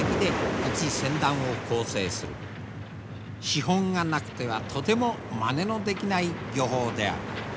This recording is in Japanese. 資本がなくてはとてもまねのできない漁法である。